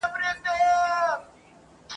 د لېوه له داړو تښتو تر چړو د قصابانو !.